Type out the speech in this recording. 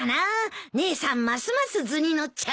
姉さんますます図に乗っちゃうよ。